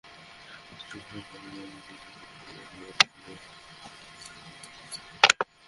অথচ সিটি করপোরেশনের বরাদ্দ করা জায়গার বাইরে মালামাল রাখার নিয়ম নেই।